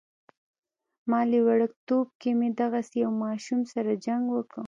مالې وړوکتوب کې مې دغسې يو ماشوم سره جنګ وکه.